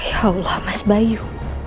ya allah mas bayu